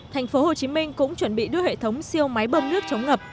thành phố hồ chí minh cũng chuẩn bị đưa hệ thống siêu máy bơm nước chống ngập